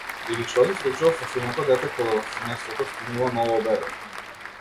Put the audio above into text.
Или што се случува со финото дете кога во семејството стигнува ново бебе.